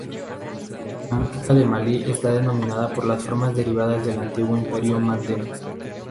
La música de Malí está dominada por las formas derivadas del antiguo imperio manden.